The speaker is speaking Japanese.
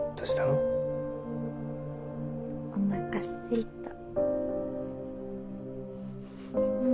おなかすいた。